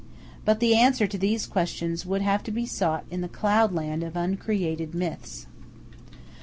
But the answer to these questions would have to be sought in the cloudland of uncreated myths.